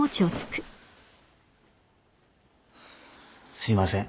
すいません。